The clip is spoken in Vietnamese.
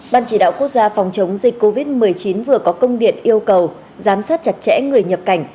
ban chỉ đạo quốc gia phòng chống dịch covid một mươi chín vừa có công điện yêu cầu giám sát chặt chẽ người nhập cảnh